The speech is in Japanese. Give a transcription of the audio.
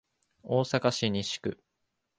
大阪市西区